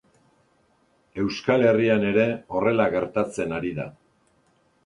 Euskal Herrian ere horrela gertatzen ari da.